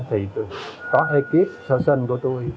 thì có ekip sơ sinh của tôi